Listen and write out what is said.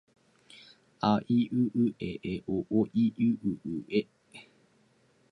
Four different methods may be used for testing.